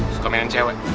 suka mainan cewek